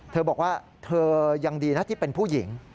เธอบอกว่าเธอยังดีนะที่เป็นผู้หญิง